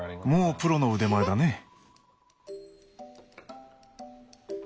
もうプロの腕前だね。